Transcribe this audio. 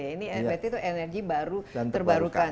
ini berarti itu energi baru terbarukan